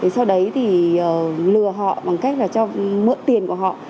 sau đấy thì lừa họ bằng cách là cho mượn tiền của họ